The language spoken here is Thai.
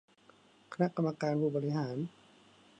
คณะกรรมการผู้บริหาร